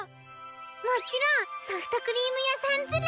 もちろんソフトクリーム屋さんズラ！